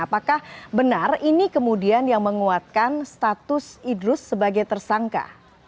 apakah benar ini kemudian yang menguatkan status idrus sebagai tersangka